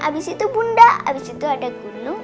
abis itu bunda abis itu ada gunung